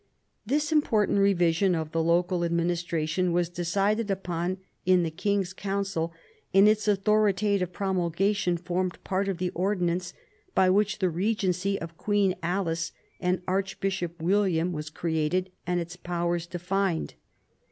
This important revision of the local administra tion was decided upon in the king's Council, and its authoritative promulgation formed part of the ordinance by which the regency of queen Alice and archbishop William was created and its powers defined.